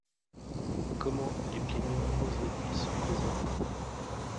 Comment les plaignants oseraient-ils se présenter?